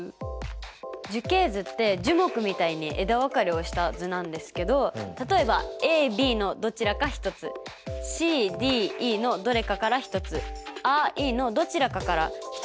樹形図って樹木みたいに枝分かれをした図なんですけど例えばＡＢのどちらか１つｃｄｅのどれかから１つアイのどちらかから１つ選ぶ場合